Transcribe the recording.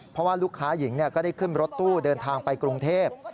เพราะว่าลูกค้าหญิงก็ได้ขึ้นรถตู้เดินทางไปกรุงเทพ